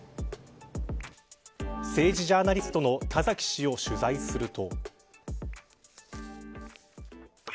政治ジャーナリストの田崎史郎氏を取材すると。